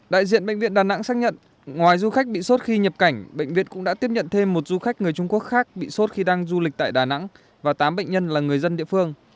đại diện bệnh viện đà nẵng xác nhận ngoài du khách bị sốt khi nhập cảnh bệnh viện cũng đã tiếp nhận thêm một du khách người trung quốc khác bị sốt khi đang du lịch tại đà nẵng và tám bệnh nhân là người dân địa phương